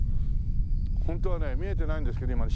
ホントはね見えてないんですけど